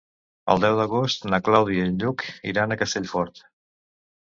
El deu d'agost na Clàudia i en Lluc iran a Castellfort.